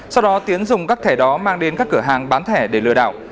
sau đó tiến dùng các thẻ đó mang đến các cửa hàng bán thẻ để lừa đảo